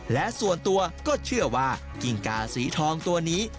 และส่วนตัวก็เชื่อว่ากิ้งกาสีทองตัวนี้